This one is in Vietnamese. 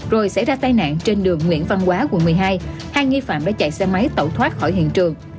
rồi xảy ra tai nạn trên đường nguyễn văn quá quận một mươi hai hai nghi phạm đã chạy xe máy tẩu thoát khỏi hiện trường